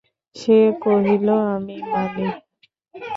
সে কহিল, আমি মানি।